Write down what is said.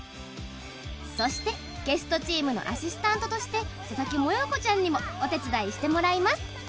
そしてゲストチームのアシスタントとして佐々木もよこちゃんにもお手伝いしてもらいます。